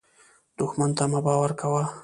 دښمن ته مه باور کوه